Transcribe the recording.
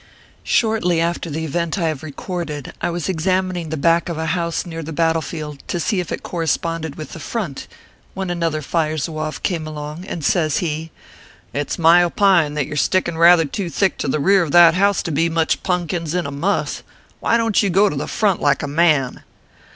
Shortly after the event I have recorded, I was ex amining the back of a house near the battle field, to see if it corresponded with the front, when another Fire Zouave came along, and says he :" It s my opine that you re sticking rather too thick to the rear of that house to be much punkins in a muss. Why don t you go to the front like a man